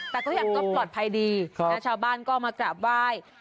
แต่ก็ยังก็ปลอดภัยดีชาวบ้านก็มากราบไหว้